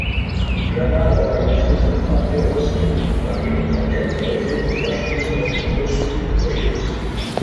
Dörner organisierte die Abwehr umsichtig; daneben konnte er mit häufigen Vorstößen das Angriffsspiel unterstützen.